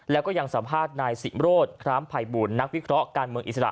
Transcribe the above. แล้วก็ยังสัมภาษณ์นายสิมโรธคร้ามภัยบูลนักวิเคราะห์การเมืองอิสระ